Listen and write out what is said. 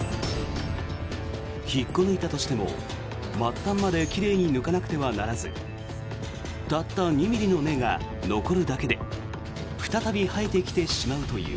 引っこ抜いたとしても、末端まで奇麗に抜かなくてはならずたった２ｍｍの根が残るだけで再び生えてきてしまうという。